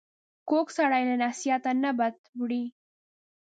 کوږ سړی له نصیحت نه بد وړي